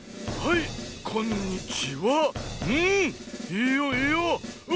いいよいいよ。